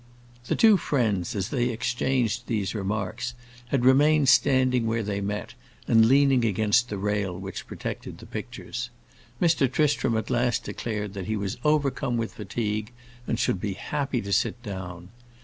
The two friends, as they exchanged these remarks, had remained standing where they met, and leaning against the rail which protected the pictures. Mr. Tristram at last declared that he was overcome with fatigue and should be happy to sit down.